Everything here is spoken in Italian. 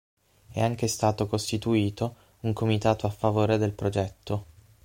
È anche stato costituito un comitato a favore del progetto.